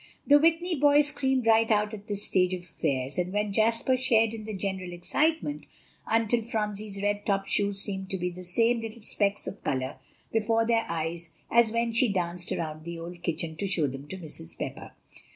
The Whitney boys screamed right out at this stage of affairs, and even Jasper shared in the general excitement, until Phronsie's red topped shoes seemed to be the same little specks of color before their eyes as when she danced around the old kitchen to show them to Mrs. Pepper.